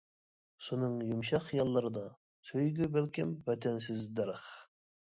سۇنىڭ يۇمشاق خىياللىرىدا، سۆيگۈ بەلكىم ۋەتەنسىز دەرەخ.